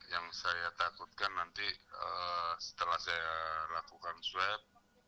yang saya takutkan nanti setelah saya lakukan swab